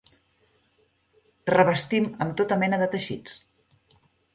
Revestim amb tota mena de teixits.